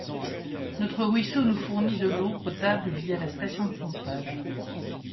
Notre ruisseau nous fournit de l’eau potable via la station de pompage.